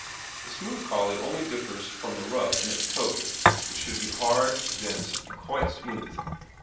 THE SMOOTH COLLIE only differs from the rough in its coat, which should be hard, dense and quite smooth.